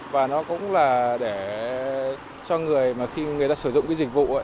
và nó cũng là để cho người mà khi người ta sử dụng cái dịch vụ